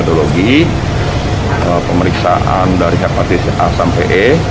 metodologi pemeriksaan dari hepatitis a sampai e